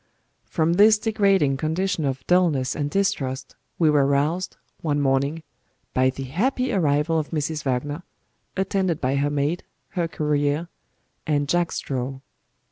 From this degrading condition of dullness and distrust, we were roused, one morning, by the happy arrival of Mrs. Wagner, attended by her maid, her courier and Jack Straw.